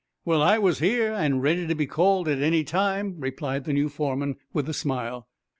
"Well, I was here, and ready to be called at any time," replied the new foreman, with a smile.